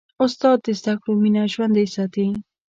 استاد د زدهکړو مینه ژوندۍ ساتي.